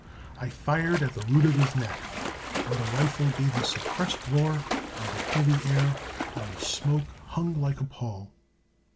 I fired at the root of his neck, and the rifle gave a suppressed roar in the heavy air and the smoke hung like a pall.